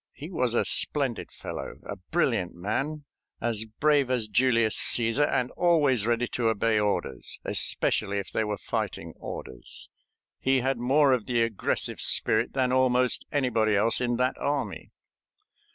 He was a splendid fellow, a brilliant man, as brave as Julius Cæsar, and always ready to obey orders, especially if they were fighting orders. He had more of the aggressive spirit than almost anybody else in that army.